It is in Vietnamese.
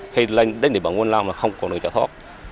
khi lên đến địa bàn huyện long là không còn đường trả thoát